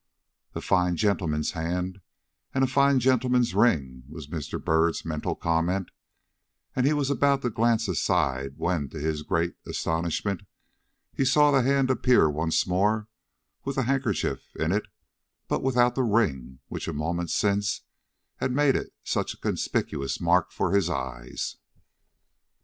"A fine gentleman's hand, and a fine gentleman's ring," was Mr. Byrd's mental comment; and he was about to glance aside, when, to his great astonishment, he saw the hand appear once more with the handkerchief in it, but without the ring which a moment since had made it such a conspicuous mark for his eyes.